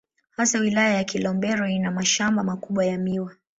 Hasa Wilaya ya Kilombero ina mashamba makubwa ya miwa.